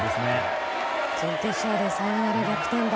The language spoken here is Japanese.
準決勝でサヨナラ逆転弾。